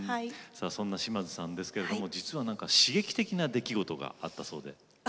さあそんな島津さんですけれども実は刺激的な出来事があったそうで。